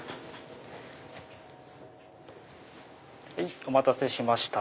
お待たせしました